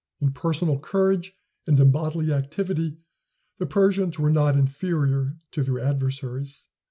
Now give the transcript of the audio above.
In personal courage and in bodily activity the Persians were not inferior to their adversaries.